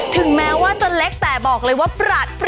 ถึงแม้ว่าจะเล็กแต่บอกเลยว่าปรัด